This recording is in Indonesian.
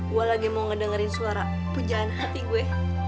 gue lagi mau ngedengerin suara pujaan hati gue